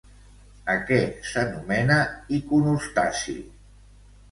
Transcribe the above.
A què s'anomena iconòstasi?